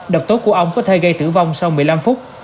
độc tốt của ong có thể gây tử vong sau một mươi năm phút